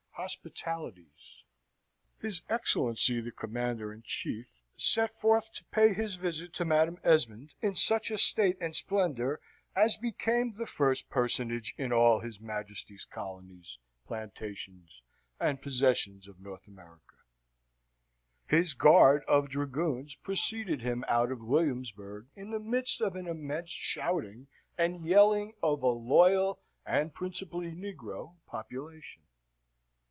Hospitalities His Excellency the Commander in Chief set forth to pay his visit to Madam Esmond in such a state and splendour as became the first personage in all his Majesty's colonies, plantations, and possessions of North America. His guard of dragoons preceded him out of Williamsburg in the midst of an immense shouting and yelling of a loyal, and principally negro, population.